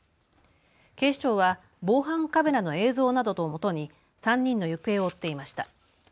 警視庁は防犯カメラの映像などをもとに３人の行方を追っていました。